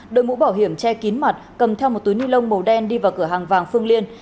đội mũ bảo hiểm che kín mặt cầm theo một túi ni lông màu đen đi vào cửa hàng vàng phương liên